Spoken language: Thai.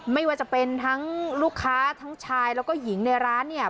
ไม่ว่าจะเป็นทั้งลูกค้าทั้งชายแล้วก็หญิงในร้านเนี่ย